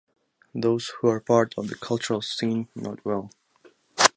Those who are part of the cultural scene know it well.